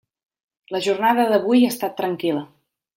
La jornada d'avui ha estat tranquil·la.